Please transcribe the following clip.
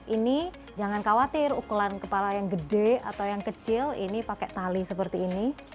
ini jangan khawatir ukuran kepala yang gede atau yang kecil ini pakai tali seperti ini